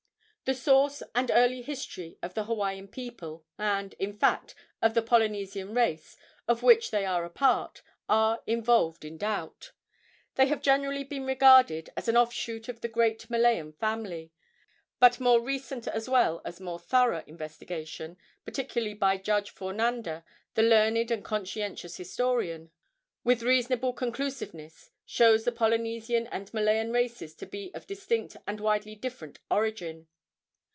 The source and early history of the Hawaiian people, and, in fact, of the Polynesian race, of which they are a part, are involved in doubt. They have generally been regarded as an offshoot of the great Malayan family; but more recent as well as more thorough investigation, particularly by Judge Fornander, the learned and conscientious historian, with reasonable conclusiveness shows the Polynesian and Malayan races to be of distinct and widely different origin.